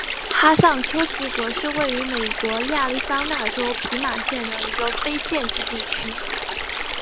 哈尚丘奇格是位于美国亚利桑那州皮马县的一个非建制地区。